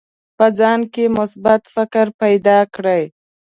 په ځان کې مثبت فکر پیدا کړئ.